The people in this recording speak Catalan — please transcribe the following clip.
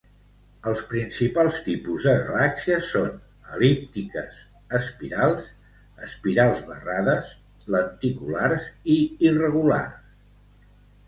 Els principals tipus de galàxies són: el·líptiques, espirals, espirals barrades, lenticulars i irregulars.